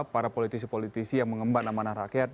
para politisi politisi yang mengemban amanah rakyat